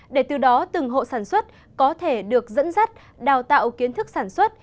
để từ đó từng hộ sản xuất có thể được dẫn dắt đào tạo kiến thức sản xuất